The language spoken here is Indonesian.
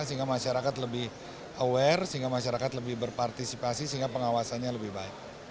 sehingga masyarakat lebih aware sehingga masyarakat lebih berpartisipasi sehingga pengawasannya lebih baik